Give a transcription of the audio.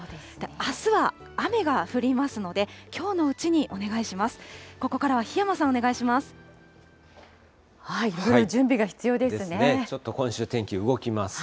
あすは雨が降りますので、きょうのうちにお願いします。